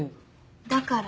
だから？